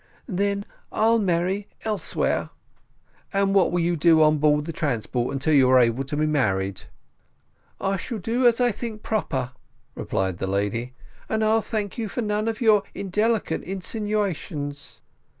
"Then I'll marry elsewhere." "And what will you do on board of the transport until you are able to be married?" "I shall do as I think proper," replied the lady; "and I'll thank you for none of your indelicate insinuations."